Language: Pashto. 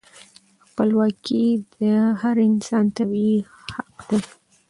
خپلواکي د هر انسان طبیعي حق دی.